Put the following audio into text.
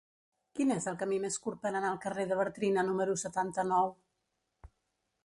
Quin és el camí més curt per anar al carrer de Bartrina número setanta-nou?